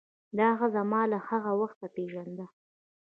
دا ښځه ما له هغه وخته پیژانده.